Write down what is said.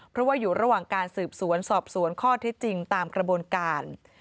เพราะว่าอยู่ระหว่างการสืบสวนสอบสวนข้อเท็จจริงตามกระบวนการ